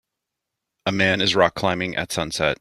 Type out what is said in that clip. A man is rock climbing at sunset.